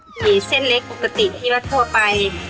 ขี่เส้นเล็กปกติที่รถทั่วไป